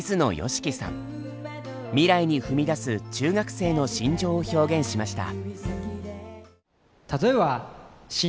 未来に踏み出す中学生の心情を表現しました。